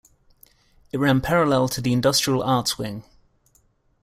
It ran parallel to the Industrial arts wing.